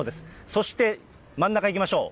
そして真ん中いきましょう。